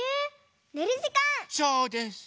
そうです！